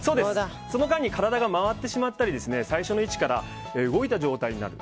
その間に体が回ってしまったり最初の位置から動いた状態になる。